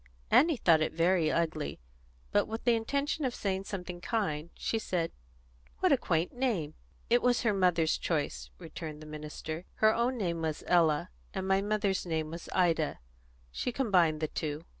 Annie thought it very ugly, but, with the intention of saying something kind, she said, "What a quaint name!" "It was her mother's choice," returned the minister. "Her own name was Ella, and my mother's name was Ida; she combined the two."